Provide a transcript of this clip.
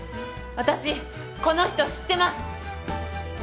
私この人知ってます！